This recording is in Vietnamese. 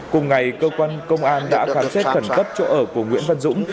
cùng ngày cơ quan công an đã khám xét khẩn cấp chỗ ở của nguyễn văn dũng